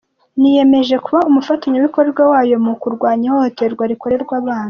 Niyemeje kuba umufatanyabikorwa wayo mu kurwanya ihohoterwa rikorerwa abana."